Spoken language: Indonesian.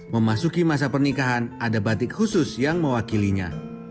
memasuki masa pernikahan ada batik khusus yang mewakilinya